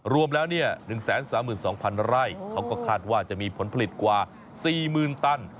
รวมแล้ว๑๓๒๐๐๐ไร่เขาก็คาดว่าจะมีผลผลิตกว่า๔๐๐๐ตัน